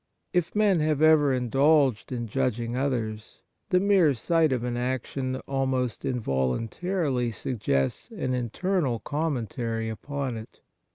If men have ever indulged in judging others, the mere sight of an action almost involuntarily suggests an internal com' mentary upon it.